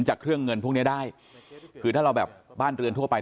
จากเครื่องเงินพวกนี้ได้คือถ้าเราแบบบ้านเรือนทั่วไป